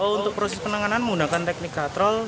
untuk proses penanganan menggunakan teknik gatrol